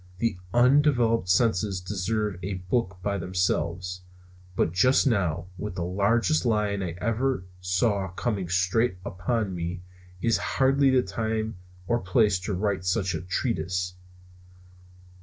The undeveloped senses deserve a book by themselves. But just now, with the largest lion I ever saw coming straight upon me, is hardly the time or place to write such a treatise.